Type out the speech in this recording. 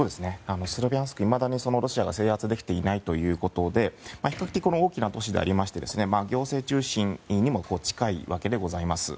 スロビャンスクはいまだにロシアが制圧できていないということで比較的大きな都市でして行政中心にも近い都市でございます。